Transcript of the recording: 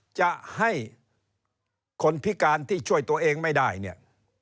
จะให้คนพิการที่ช่วยตัวเองไม่ได้เนี่ย